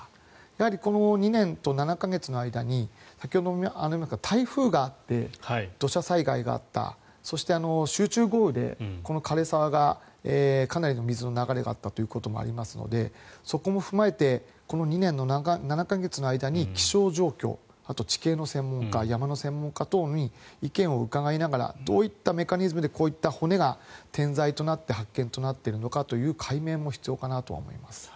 やはりこの２年と７か月の間に先ほどもありましたが台風があって土砂災害があったそして、集中豪雨で枯れ沢がかなりの水の流れがあったということもありますのでそこも踏まえてこの２年７か月の間に気象状況、あとは地形の専門家山の専門家等に意見を伺いながらどういったメカニズムでこういった骨が点在となって発見となっているのかという解明も必要かなとは思います。